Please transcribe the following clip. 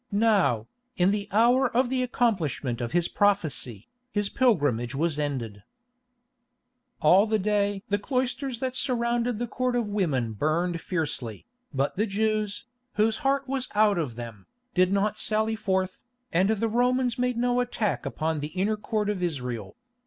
Now, in the hour of the accomplishment of his prophecy, his pilgrimage was ended. All the day the cloisters that surrounded the Court of Women burned fiercely, but the Jews, whose heart was out of them, did not sally forth, and the Romans made no attack upon the inner Court of Israel.